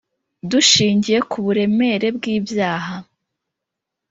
Dushingiye ku buremere bw ‘ibyaha.